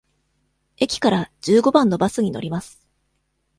駅から十五番のバスに乗ります。